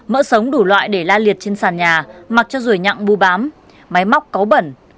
mỡ sống đủ loại để la liệt trên sàn nhà mặc cho ruồi nhặng bu bám máy móc có bẩn